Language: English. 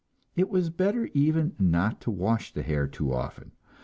It was better even not to wash the hair too often.